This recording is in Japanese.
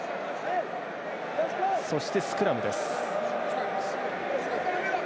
そしてスクラムです。